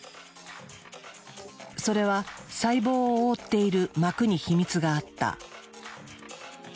それは細胞を覆っている膜に秘密があった。